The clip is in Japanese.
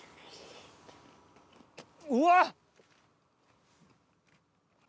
うわっ！